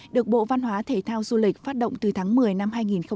được bộ văn hóa thể thao du lịch phát động từ tháng một mươi năm hai nghìn một mươi chín